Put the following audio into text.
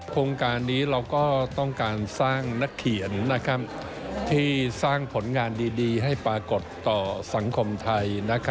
โครงการนี้เราก็ต้องการสร้างนักเขียนที่สร้างผลงานดีให้ปรากฏต่อสังคมไทย